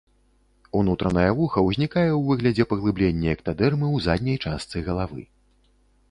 Унутранае вуха ўзнікае ў выглядзе паглыблення эктадэрмы ў задняй частцы галавы.